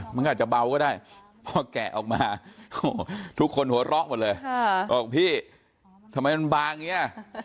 มันก็อาจจะเบาก็ได้พอแกะออกมาทุกคนหัวเราะหมดเลยบอกพี่ทำไมมันบางอย่างนี้